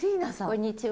こんにちは。